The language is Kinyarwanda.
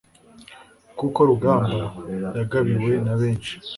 koko rugamba yagabiwe na benshi